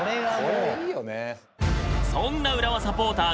そんな浦和サポーター